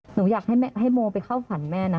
หนูอยากให้โมไปเข้าฝันแม่นะ